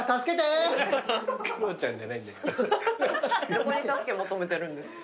どこに助け求めてるんですか。